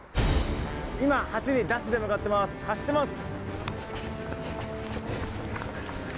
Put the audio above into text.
今８にダッシュで向かってます。